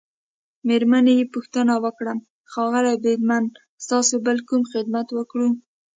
مېرمنې يې پوښتنه وکړه: ښاغلی بریدمنه، ستاسي بل کوم خدمت وکړو؟